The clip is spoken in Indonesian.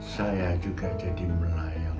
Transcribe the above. saya juga jadi melayang layang lagi